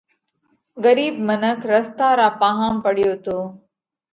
ڳرِيٻ منک رستا را پاهام پڙيو تو۔